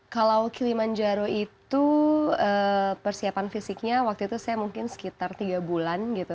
kalau kilimanjaro itu persiapan fisiknya waktu itu saya mungkin sekitar tiga bulan gitu